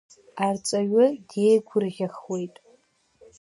Арҵаҩы диеигәырӷьахуеит.